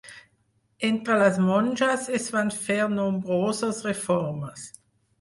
Entre les monges es van fer nombroses reformes.